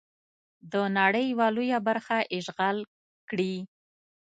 د نړۍ یوه لویه برخه اشغال کړي.